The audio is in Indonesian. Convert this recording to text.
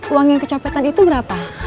uang yang kecopetan itu berapa